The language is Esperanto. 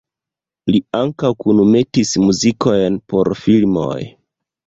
Li ankaŭ kunmetis muzikojn por filmoj.